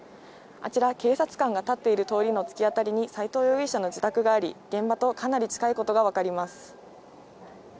あちら、警察官が立っている通りのつきあたりに斎藤容疑者の自宅があり、現場とかなり近いことが分かります。